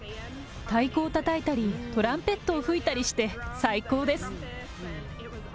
太鼓をたたいたり、トランペットを吹いたりして、最高です。